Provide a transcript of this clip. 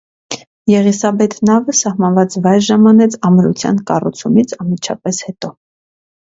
«Եղիսաբեթ» նավը սահմանված վայր ժամանեց ամրության կառուցումից անմիջապես հետո։